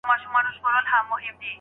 شيطان څنګه انسان په خپلو دامونو کي اچوي؟